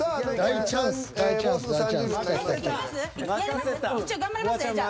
一応頑張りますねじゃあ。